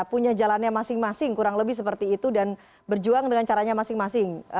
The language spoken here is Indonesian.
punya jalannya masing masing kurang lebih seperti itu dan berjuang dengan caranya masing masing